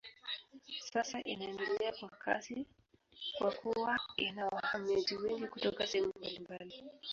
Sasa inaendelea kwa kasi kwa kuwa ina wahamiaji wengi kutoka sehemu mbalimbali.